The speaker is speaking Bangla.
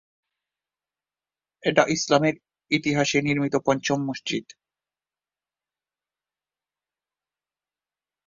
এটা ইসলামের ইতিহাসে নির্মিত পঞ্চম মসজিদ।